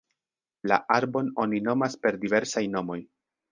La arbon oni nomas per diversaj nomoj.